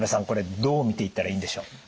これどう見ていったらいいんでしょう？